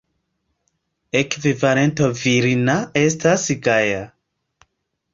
Ekvivalento virina estas Gaja.